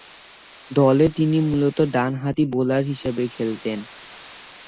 দলে তিনি মূলতঃ ডানহাতি বোলার হিসেবে খেলতেন।